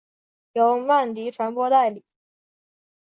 由曼迪传播代理。